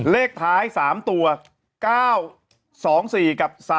เลขท้าย๓ตัว๙๒๔กับ๓๔